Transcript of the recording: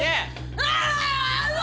うわ！